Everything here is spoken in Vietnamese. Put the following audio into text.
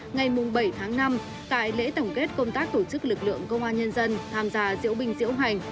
ngày bảy tháng năm tại lễ tổng kết công tác tổ chức lực lượng công an nhân dân tham gia diễu binh diễu hành